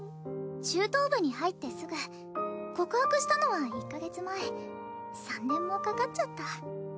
中等部に入ってすぐ告白したのは１カ月前３年もかかっちゃった